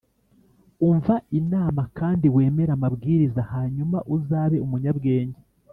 umva inama kandi wemere amabwiriza, hanyuma uzabe umunyabwenge